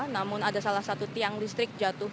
namun ada salah satu tiang listrik jatuh